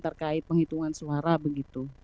terkait penghitungan suara begitu